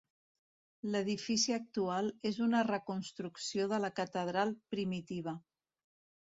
L'edifici actual és una reconstrucció de la catedral primitiva.